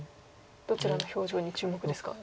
どちらの表情に注目ですか？